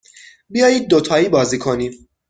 بیایید دوتایی بازی کنیم.